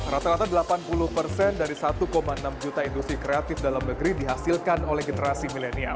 rata rata delapan puluh persen dari satu enam juta industri kreatif dalam negeri dihasilkan oleh generasi milenial